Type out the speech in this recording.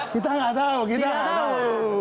kita gak tau kita gak tau